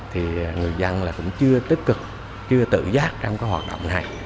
thì người dân là cũng chưa tích cực chưa tự giác trong cái hoạt động này